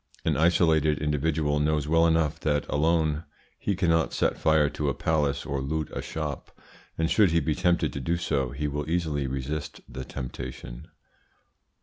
An isolated individual knows well enough that alone he cannot set fire to a palace or loot a shop, and should he be tempted to do so, he will easily resist the temptation.